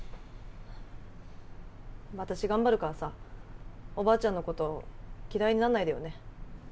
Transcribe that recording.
私頑張るからさおばあちゃんのこと嫌いになんないでよね。